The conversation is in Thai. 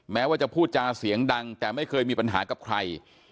แม้ว่าจะพูดจาเสียงดังแต่ไม่เคยมีปัญหากับใคร